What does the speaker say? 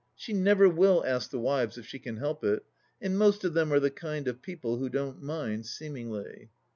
She never will ask the wives if she can help it, and most of them are the kind of people who don't mind, seemingly.